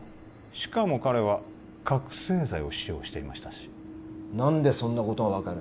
しかも彼は覚せい剤を使用していましたし・何でそんなことが分かる？